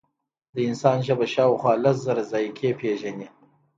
د انسان ژبه شاوخوا لس زره ذایقې پېژني.